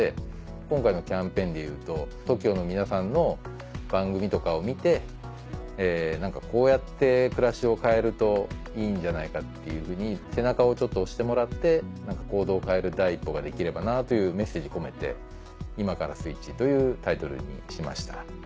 今回のキャンペーンでいうとＴＯＫＩＯの皆さんの番組とかを見て何かこうやって暮らしを変えるといいんじゃないかっていうふうに背中をちょっと押してもらって行動を変える第一歩ができればなというメッセージ込めて「今からスイッチ」というタイトルにしました。